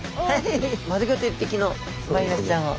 丸ごと１匹のマイワシちゃんを。